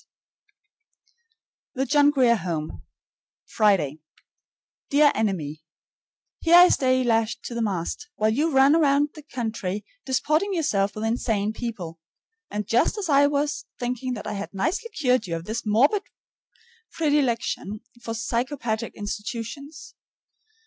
S. THE JOHN GRIER HOME, Friday. Dear Enemy: Here I stay lashed to the mast, while you run about the country disporting yourself with insane people. And just as I was thinking that I had nicely cured you of this morbid predilection for psychopathic institutions!